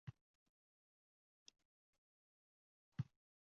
Saytingiz Sizga yaxshi daromad keltiradigan bo’lishi uchun Siz saytingizning domeniga